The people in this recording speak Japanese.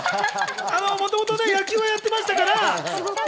もともと野球は入ってましたから。